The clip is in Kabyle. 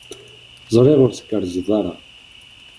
Ẓriɣ ur tgerrzeḍ ara.